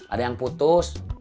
ada yang putus